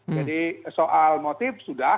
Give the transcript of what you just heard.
jadi soal motif sudah